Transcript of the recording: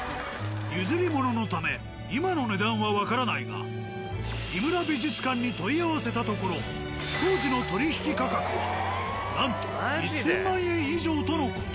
譲り物のため今の値段はわからないが井村美術館に問い合わせたところ当時の取引価格はなんと１０００万円以上との事。